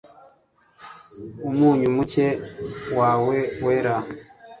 umunyu muke wawe wera